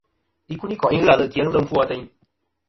Ikuniko'i ghɨ ale' ki a ghɨ lem ɨfwo ateyn.